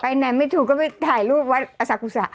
ไหนไม่ถูกก็ไปถ่ายรูปวัดอสากุศะ